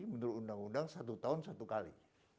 menurut undang undang satu tahun satu kali